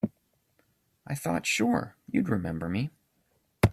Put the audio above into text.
I thought sure you'd remember me.